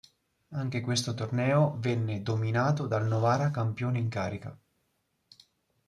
Anche questo torneo venne dominato dal Novara campione in carica.